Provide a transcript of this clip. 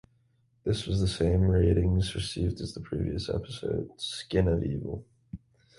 This was the same ratings received as the previous episode, "Skin of Evil".